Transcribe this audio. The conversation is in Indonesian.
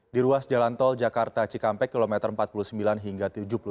di ruas jalan tol jakarta cikampek kilometer empat puluh sembilan hingga tujuh puluh dua